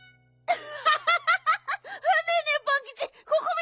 アハハハ！